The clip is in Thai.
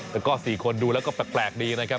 แต่ก็๔คนดูแล้วก็แปลกดีนะครับ